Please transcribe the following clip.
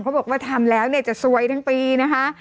เขาบอกว่าทำแล้วจะซวยทั้งปีนะคะ